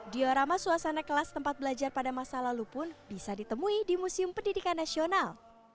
diorama suasana kelas tempat belajar pada masa lalu pun bisa ditemui di museum pendidikan nasional